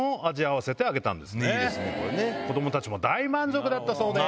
子供たちも大満足だったそうです。